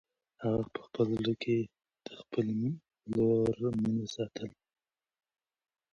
هغه په خپل زړه کې د خپلې لور مینه ساتلې ده.